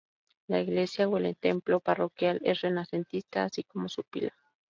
La iglesia o el templo parroquial es renacentista así como su pila.